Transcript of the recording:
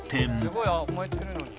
「すごい燃えてるのに」